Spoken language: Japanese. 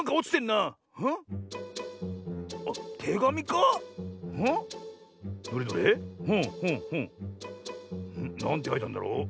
なんてかいてあんだろう？